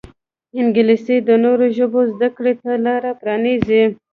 انګلیسي د نورو ژبو زده کړې ته لاره پرانیزي